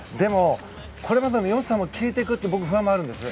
これまでの良さが消えていくという不安があるんです。